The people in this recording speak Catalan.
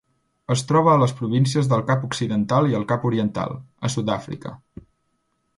Es troba a les províncies del Cap Occidental i el Cap Oriental, a Sud-àfrica.